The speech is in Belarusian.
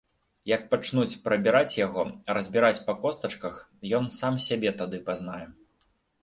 Як пачнуць прабіраць яго, разбіраць па костачках, ён сам сябе тады пазнае.